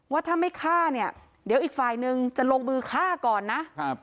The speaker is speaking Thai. ว่าถ้าไม่ฆ่าเนี่ยเดี๋ยวอีกฝ่ายนึงจะลงมือฆ่าก่อนนะครับ